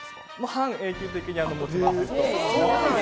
半永久的にもちます。